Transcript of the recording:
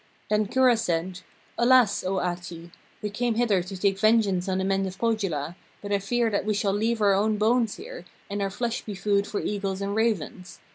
Then Kura said: 'Alas, O Ahti; we came hither to take vengeance on the men of Pohjola, but I fear that we shall leave our own bones here, and our flesh be food for eagles and ravens.